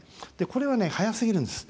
これは、早すぎるんです。